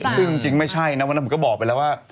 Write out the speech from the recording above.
ซึ่งจริงไม่ใช่นะวันนั้นผมก็บอกไปแล้วว่า